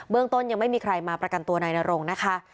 เรื่องต้นยังไม่มีใครมาประกันตัวนายนรงนะคะ